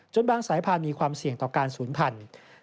บางสายพันธุ์มีความเสี่ยงต่อการศูนย์พันธุ์